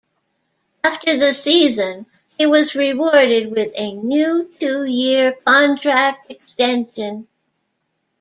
After the season, he was rewarded with a new two-year contract extension.